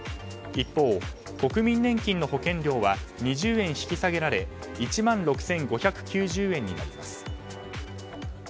一方、国民年金の保険料は２０円引き下げられ１万６５９０円になります。